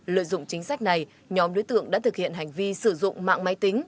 lợi dụng chính sách này nhóm đối tượng đã thực hiện hành vi sử dụng mạng máy tính